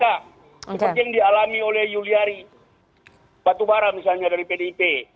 seperti yang dialami oleh yuliari batubara misalnya dari pdip